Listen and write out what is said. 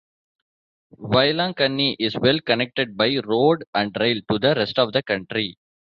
Vailankanni is well connected by road and rail to the rest of the country.